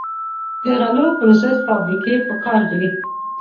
د غلو پروسس فابریکې پکار دي.